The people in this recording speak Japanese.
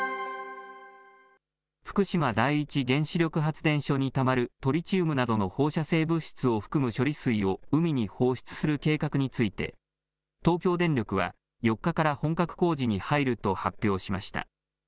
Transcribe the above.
福島第一原子力発電所にたまるトリチウムなどの放射性物質を含む処理水を海に放出する計画について、東京電力は、４日から本格工事に入ると発表しました。